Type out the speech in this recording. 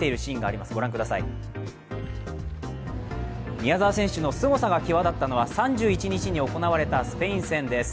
宮澤選手のすごさが際立ったのは３１日に行われたスペイン戦です。